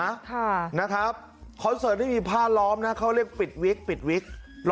ค่ะนะครับคอนเสิร์ตไม่มีผ้าล้อมนะเขาเรียกปิดวิกปิดวิก